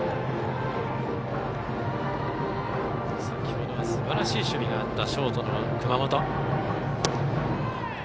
先ほどはすばらしい守備があったショートの熊本。